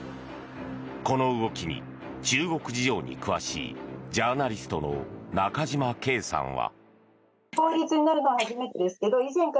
この動きに、中国事情に詳しいジャーナリストの中島恵さんは。